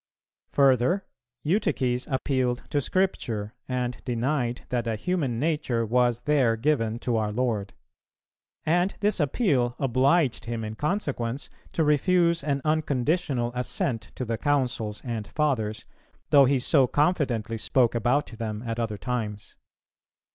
Further, Eutyches appealed to Scripture, and denied that a human nature was there given to our Lord; and this appeal obliged him in consequence to refuse an unconditional assent to the Councils and Fathers, though he so confidently spoke about them at other times.